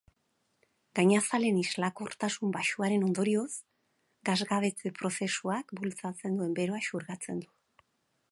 Gainazalen islakortasun baxuaren ondorioz, gasgabetze-prozesuak bultzatzen duen beroa xurgatzen du.